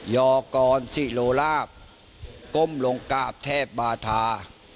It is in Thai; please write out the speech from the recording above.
ยอกรสิโลลาบก้มลงกราบเทพบาธา